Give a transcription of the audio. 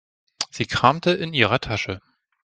Sie kramte in ihrer Tasche.